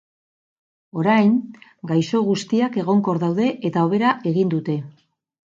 Orain, gaixo guztiak egonkor daude eta hobera egin dute.